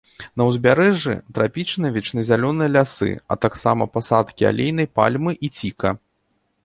На ўзбярэжжы трапічныя вечназялёныя лясы, а таксама пасадкі алейнай пальмы і ціка.